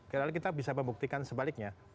kira kira kita bisa membuktikan sebaliknya